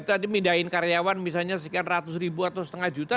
tadi mindahin karyawan misalnya sekian ratus ribu atau setengah juta